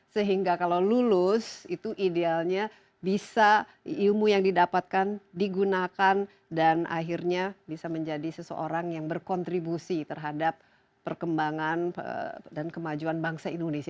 sehingga kalau lulus itu idealnya bisa ilmu yang didapatkan digunakan dan akhirnya bisa menjadi seseorang yang berkontribusi terhadap perkembangan dan kemajuan bangsa indonesia